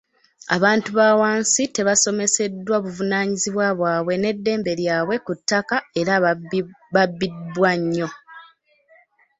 Abantu ba wansi tebasomeseddwa buvunaanyizibwa bwabwe n’eddembe lyabwe ku ttaka era babbibwa nnyo.